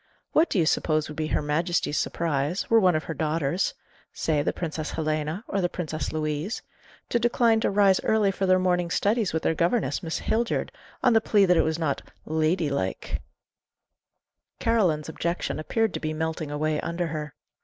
What do you suppose would be her Majesty's surprise, were one of her daughters say, the Princess Helena, or the Princess Louise to decline to rise early for their morning studies with their governess, Miss Hildyard, on the plea that it was not 'lady like'?" Caroline's objection appeared to be melting away under her.